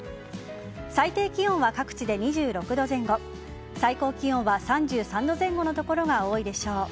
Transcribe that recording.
最低気温は各地で２６度前後最高気温は３３度前後の所が多いでしょう。